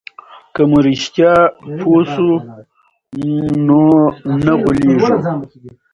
که موږ رښتیا پوه سو نو نه غولېږو.